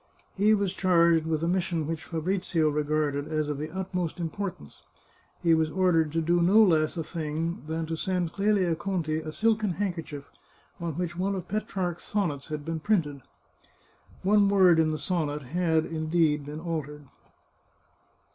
He was charged with a mission which Fabrizio regarded as of the utmost impor tance. He was ordered to do no less a thing than to send 425 The Chartreuse of Parma Qelia Conti a silken handkerchief, on which one of Pe trarch's sonnets had been printed. One word in the sonnet had, indeed, been altered.